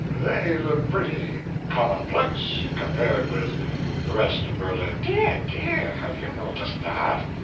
They look pretty commonplace, compared with the rest of Berlin." "Dear! dear! have you noticed that?